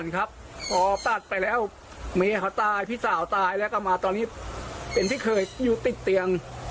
ครับพอตัดไปแล้วเมย์เขาตายพี่สาวตายแล้วก็มาตอนนี้เป็นที่เคยอยู่ติดเตียง